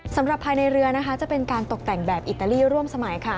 สำหรับภายในเรือจะเป็นการตกแต่งแบบอิตาลีร่วมสมัย